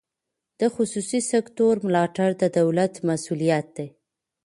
د خصوصي سکتور ملاتړ د دولت مسوولیت دی.